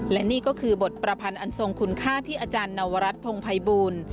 และนี่ก็คือบทประพันธ์อันทรงคุณค่าที่อาจารย์นวรัฐพงภัยบูล